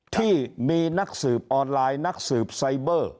ที่มีนักสืบออนไลน์นักสืบไซเบอร์